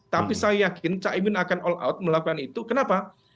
tapi saya yakin caimin akan all out melakukan itu kenapa